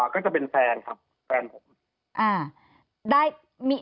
ก็จะเป็นแฟนครับแฟนผม